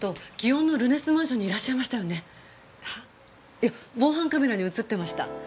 いや防犯カメラに映ってました。